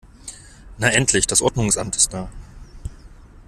Na endlich, das Ordnungsamt ist da!